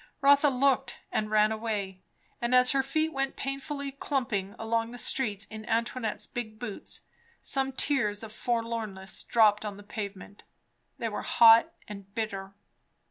Rotha looked and ran away; and as her feet went painfully clumping along the streets in Antoinette's big boots, some tears of forlornness dropped on the pavement. They were hot and bitter.